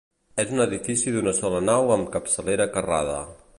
És un edifici d'una sola nau amb capçalera carrada.